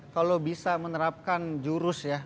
kalau bisa menerapkan jurus ya